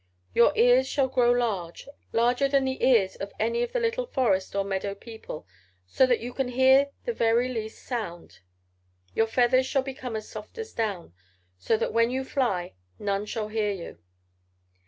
Your ears shall grow large, larger than the ears of any of the little forest or meadow people, so that you can hear the very least sound. Your feathers shall become as soft as down, so that when you fly none shall hear you.'